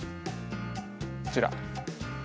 こちら。